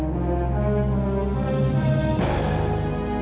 papa ngapain di sini sama amirah